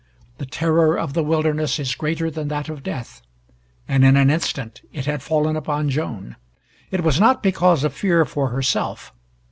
The terror of the wilderness is greater than that of death, and in an instant it had fallen upon Joan. It was not because of fear for herself.